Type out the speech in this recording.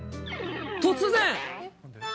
突然。